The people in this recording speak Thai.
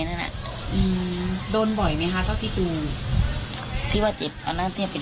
แน่นั่นอ่ะอืมโดนบ่อยไหมคะเท่าที่ดูที่ว่าเจ็บเอาน่าเทียบไป